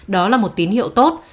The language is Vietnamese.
đó là một tín hiệu tốt